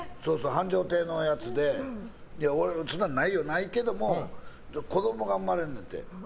繁盛系のやつで俺そんなのないけども子供が産まれるねんて。